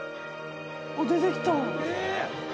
出てきた。